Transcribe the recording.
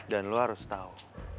dan lo harus tahu